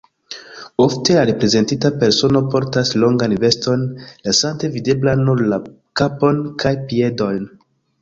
Ofte la reprezentita persono portas longan veston, lasante videbla nur la kapon kaj piedojn.